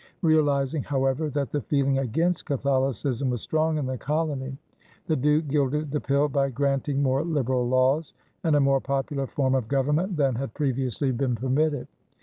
Realizing, however, that the feeling against Catholicism was strong in the colony, the Duke gilded the pill by granting more liberal laws and a more popular form of government than had previously been permitted.